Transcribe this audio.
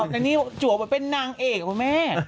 ในนี้จัวเป็นนางเอกครับคุณแม่